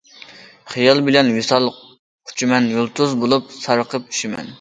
خىيال بىلەن ۋىسال قۇچىمەن، يۇلتۇز بولۇپ سارقىپ چۈشىمەن.